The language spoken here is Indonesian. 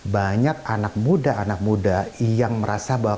banyak anak muda anak muda yang merasa bahwa